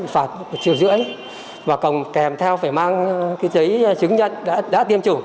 chủ chó thả rông là một triệu rưỡi và kèm theo phải mang giấy chứng nhận đã tiêm chủ